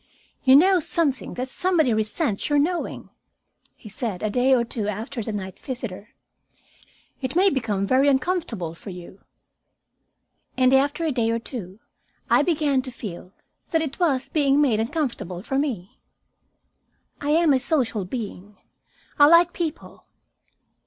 "You know something that somebody resents your knowing," he said, a day or two after the night visitor. "It may become very uncomfortable for you." And, after a day or two, I began to feel that it was being made uncomfortable for me. I am a social being; I like people.